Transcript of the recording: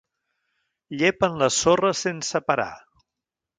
Llepen la sorra sense parar.